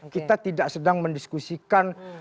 kita tidak sedang mendiskusikan